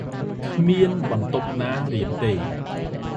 គ្មានបន្ទប់ណារៀនទេ ។